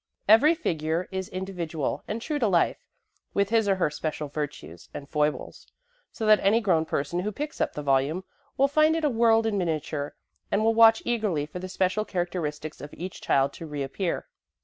Every figure is individual and true to life, with his or her special virtues and foibles, so that any grown person who picks up the volume will find it a world in miniature and will watch eagerly for the special characteristics of each child to reappear.